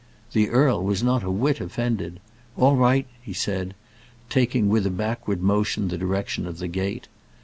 The earl was not a whit offended. "All right," said he, taking with a backward motion the direction of the gate.